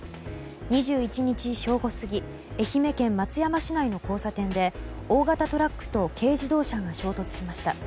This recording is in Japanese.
２１日正午過ぎ愛媛県松山市内の交差点で大型トラックと軽自動車が衝突しました。